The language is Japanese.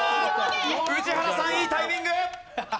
宇治原さんいいタイミング。